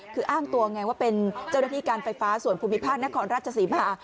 คืออ้างตัวไงว่าเป็นเจ้าหน้าที่การไฟฟ้าส่วนภูมิภาคนครราชศรีมา